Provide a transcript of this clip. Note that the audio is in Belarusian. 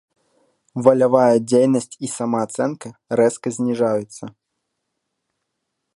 Валявая дзейнасць і самаацэнка рэзка зніжаюцца.